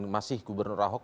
masih gubernur ahok